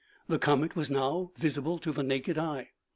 The comet was now visible to the naked eye.